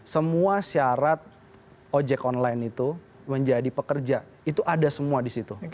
semua syarat ojek online itu menjadi pekerja itu ada semua di situ